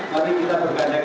mari kita berkandang